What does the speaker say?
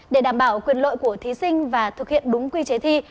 để đảm bảo quyền lợi của thí sinh và thực hiện đúng quy chế thi